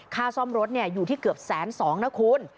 ค่าซ่อมรถอยู่ที่เกือบแสนสองนะคุณ